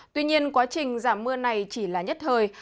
tuy nhiên quá trình giảm mưa này chỉ là nhất thời